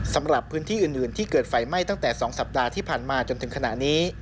สำหรับพื้นที่อื่นที่เกิดไฟไหม้ตั้งแต่๒สัปดาห์ที่ผ่านมาจนถึงขณะนี้